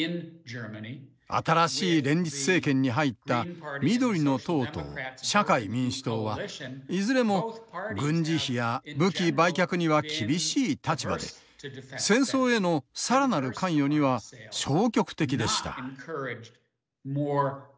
新しい連立政権に入った緑の党と社会民主党はいずれも軍事費や武器売却には厳しい立場で戦争への更なる関与には消極的でした。